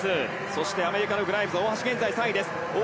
そして、アメリカのグライムズ大橋は現在３位です。